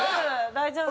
大丈夫？